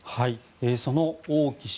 その王毅氏